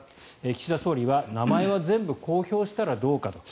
岸田総理は名前は全部公表したらどうかと。